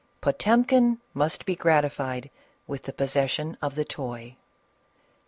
Potemkin must be gratified with the possession of the toy.